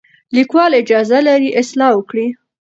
لیکوال اجازه لري اصلاح وکړي.